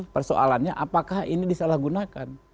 persoalannya apakah ini disalah gunakan